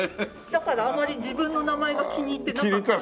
だからあまり自分の名前が気に入ってなかった。